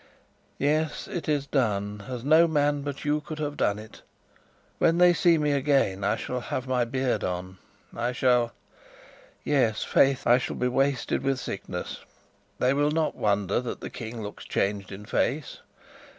"Yes, it is done, as no man but you could have done it. When they see me again, I shall have my beard on; I shall yes, faith, I shall be wasted with sickness. They will not wonder that the King looks changed in face.